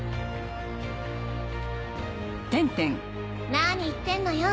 何言ってんのよ。